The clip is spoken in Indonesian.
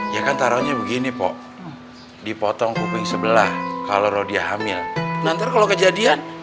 ya kan taruhnya begini po dipotong kuping sebelah kalau dia hamil nanti kalau kejadian